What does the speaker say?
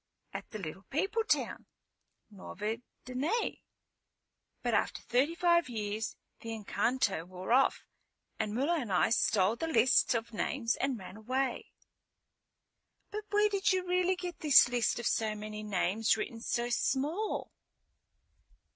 "At the little people town. Nuevo Danae. But after thirty five years the encanto wore off and Mula and I stole the list of names and ran away." "But where did you really get this list of so many names written so small?"